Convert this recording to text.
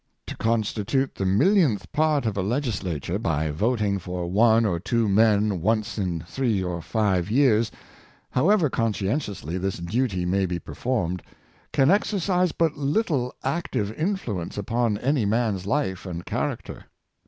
To constitute the millionth part of a Legislature, by voting for one or two men once in three or five years, however conscientiously this duty may be performed, can exer cise but little active influence upon any man's life and character.